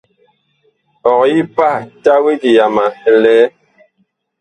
Ɔg yi a pah tawedi yama ɛ lɛ ?